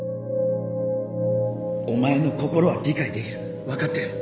お前の心は理解できる分かってる。